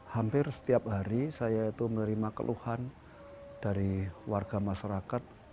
hampir setiap hari saya itu menerima keluhan dari warga masyarakat